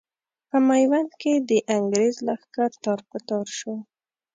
په ميوند کې د انګرېز لښکر تار په تار شو.